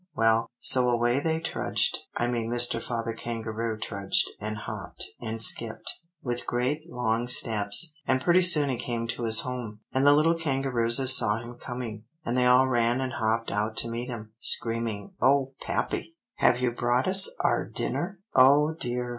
Well, so away they trudged I mean Mr. Father Kangaroo trudged, and hopped, and skipped, with great long steps, and pretty soon he came to his home. And the little kangarooses saw him coming; and they all ran and hopped out to meet him, screaming, 'O pappy! have you brought us our dinner?'" "Oh, dear!"